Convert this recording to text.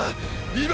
今！